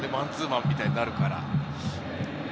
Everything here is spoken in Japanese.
マンツーマンみたいになるから。